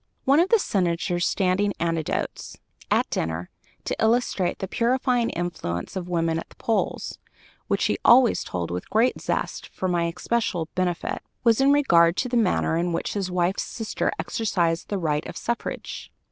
One of the Senator's standing anecdotes, at dinner, to illustrate the purifying influence of women at the polls, which he always told with great zest for my especial benefit, was in regard to the manner in which his wife's sister exercised the right of suffrage.